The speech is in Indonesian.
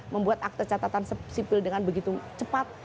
membuat akte catatan sipil dengan begitu cepat